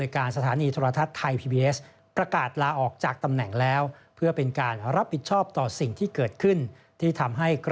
ของประชาชนและเครือข่าย